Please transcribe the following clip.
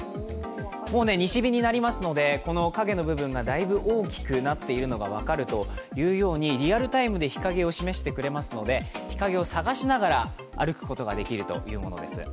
西日になりますので、影の部分がだいぶ大きくなっているのが分かるというようにリアルタイムで日陰を示してくれますので、日陰を探しながら歩くことができるというものです。